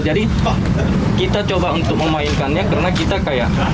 jadi kita coba untuk memainkannya karena kita kayak